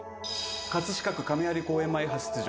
葛飾区亀有公園前派出所。